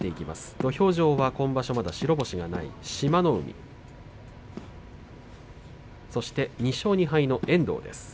土俵上はまだ白星のない志摩ノ海そして、２勝２敗の遠藤です。